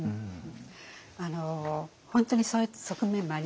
本当にそういった側面もありますね。